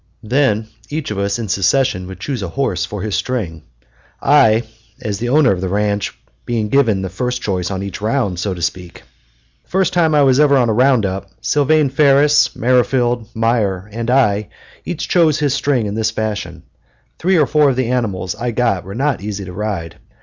Then each of us in succession would choose a horse (for his string), I as owner of the ranch being given the first choice on each round, so to speak. The first time I was ever on a round up Sylvane Ferris, Merrifield, Meyer, and I each chose his string in this fashion. Three or four of the animals I got were not easy to ride.